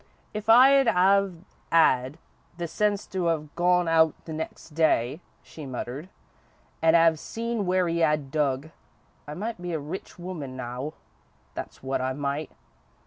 "If I'd 'ave 'ad the sense to 'ave gone out there the next day," she muttered, "and 'ave seen where 'e 'ad dug, I might be a rich woman now, that's wot I might.